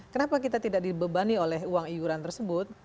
kenapa kita tidak dibebani oleh uang iuran tersebut